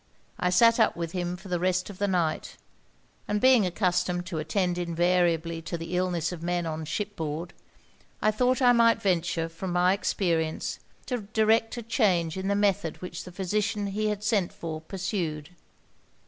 I sat up with him for the rest of the night; and being accustomed to attend invariably to the illness of men on ship board, I thought I might venture, from my experience, to direct a change in the method which the physician he had sent for pursued.